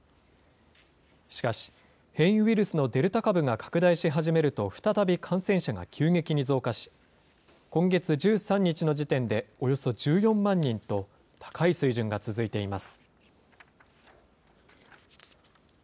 しかし、変異ウイルスのデルタ株が拡大し始めると、再び感染者が急激に増加し、今月１３日の時点でおよそ１４万人と、高い水準が続いています。